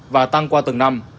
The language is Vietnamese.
và tăng qua từng năm